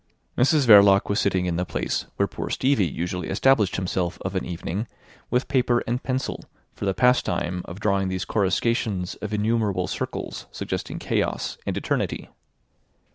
Mrs Verloc was sitting in the place where poor Stevie usually established himself of an evening with paper and pencil for the pastime of drawing these coruscations of innumerable circles suggesting chaos and eternity.